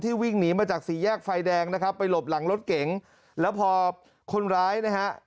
วิ่งหนีมาจากสี่แยกไฟแดงนะครับไปหลบหลังรถเก๋งแล้วพอคนร้ายนะฮะ